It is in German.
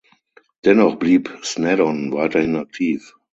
Dennoch blieb Sneddon weiterhin aktiv.